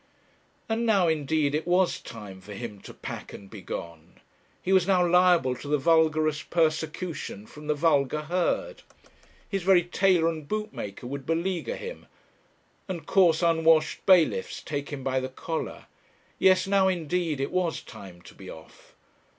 And now, indeed, it was time for him to pack and begone. He was now liable to the vulgarest persecution from the vulgar herd; his very tailor and bootmaker would beleaguer him, and coarse unwashed bailiffs take him by the collar. Yes, now indeed, it was time to be off.